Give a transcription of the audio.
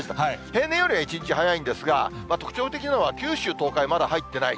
平年よりは１日早いんですが、特徴的なのは、九州、東海、まだ入っていない。